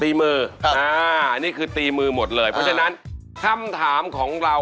นี่คือตีมือหมดเลยเพราะฉะนั้นคำถามของเรา